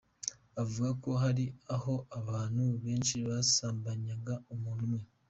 Avuga ko hari aho abantu benshi basambanyaga umuntu umwe.